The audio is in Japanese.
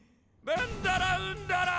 ベンダラウンダラ。